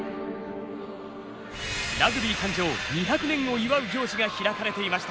ラグビー誕生２００年を祝う行事が開かれていました。